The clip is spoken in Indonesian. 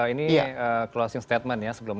ini closing statement ya sebelum